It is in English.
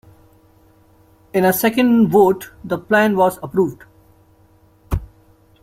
In a second vote the plan was approved.